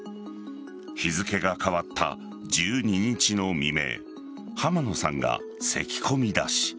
日付が変わった１２日の未明濱野さんがせきこみだし